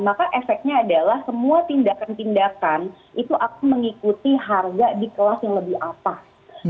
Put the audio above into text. maka efeknya adalah semua tindakan tindakan itu akan mengikuti harga di kelas yang lebih atas